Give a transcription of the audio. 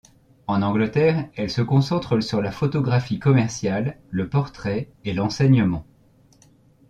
En Angleterre, elle se concentre sur la photographie commerciale, le portrait et l'enseignement.